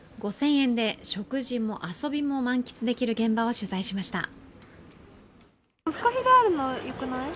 ５０００円で食事も遊びも満喫できる現場を取材しました。